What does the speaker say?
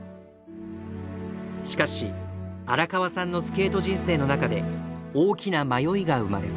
しかし荒川さんのスケート人生の中で大きな迷いが生まれます。